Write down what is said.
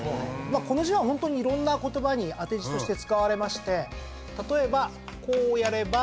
この字はいろんな言葉に当て字として使われまして例えばこうやれば。